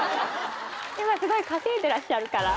今すごい稼いでらっしゃるから。